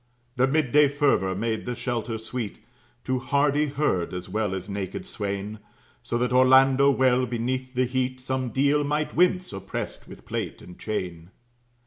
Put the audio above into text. The mid day fervor made the shelter sweet To hardy herd as well as naked swain: So that Orlando well beneath the heat Some deal might wince, opprest with plate and chain.